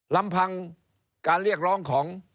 ลำพังการเรียกร้องของ